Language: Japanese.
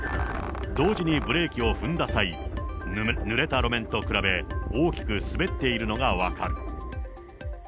同時にブレーキを踏んだ際、ぬれた路面と比べ、大きく滑っているのが分かる。